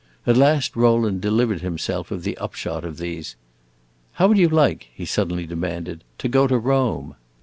At last Rowland delivered himself of the upshot of these. "How would you like," he suddenly demanded, "to go to Rome?"